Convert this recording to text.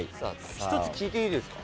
１つ聞いていいですか？